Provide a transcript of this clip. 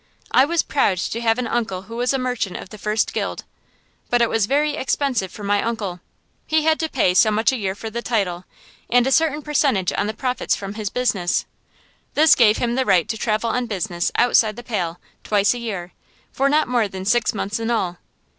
I was proud to have an uncle who was a merchant of the First Guild, but it was very expensive for my uncle. He had to pay so much a year for the title, and a certain percentage on the profits from his business. This gave him the right to travel on business outside the Pale, twice a year, for not more than six months in all.